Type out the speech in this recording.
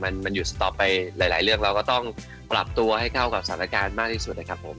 มันหยุดต่อไปหลายเรื่องเราก็ต้องปรับตัวให้เข้ากับสถานการณ์มากที่สุดนะครับผม